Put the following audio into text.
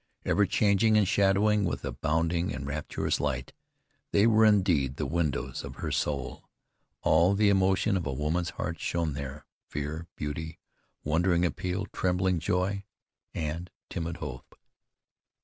Ever changing and shadowing with a bounding, rapturous light, they were indeed the windows of her soul. All the emotion of a woman's heart shone there, fear, beauty, wondering appeal, trembling joy, and timid hope.